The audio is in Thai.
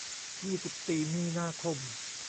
ยี่สิบสี่ มีนาคม